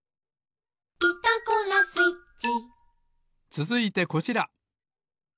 つづいてこちら！